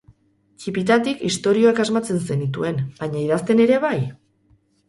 Ttipitatik istorioak asmatzen zenituen, baina idazten ere bai?